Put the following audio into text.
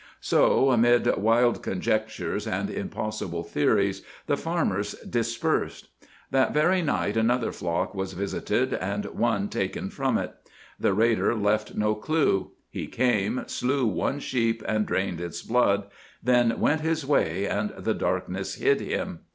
So, amid wild conjectures and impossible theories, the farmers dispersed. That very night another flock was visited and one taken from it. The raider left no clue. He came, slew one sheep and drained its blood, then went his way and the darkness hid him.